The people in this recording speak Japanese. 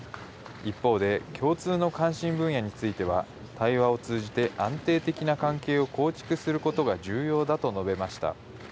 一方で、共通の関心分野については、対話を通じて安定的な関係を構築することが重要だと述べました。